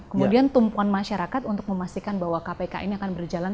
kemudian tumpuan masyarakat untuk memastikan bahwa kpk ini akan berjalan